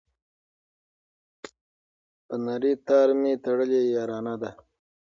په نري تار مي تړلې یارانه ده